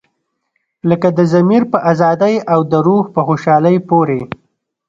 لکه د ضمیر په ازادۍ او د روح په خوشحالۍ پورې.